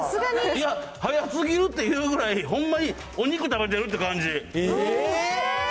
早すぎるっていうぐらい、ほんまにお肉食べてるっていう感じえー！